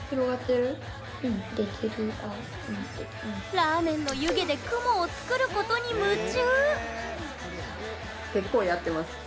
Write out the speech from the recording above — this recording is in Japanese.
ラーメンの湯気で雲を作ることに夢中！